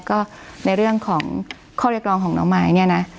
ก็ในเรื่องของข้อเรียกร้องของน้องมายเนี่ยนะ